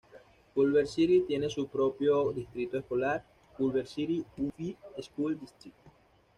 Culver City tiene su propio distrito escolar, Culver City Unified School District.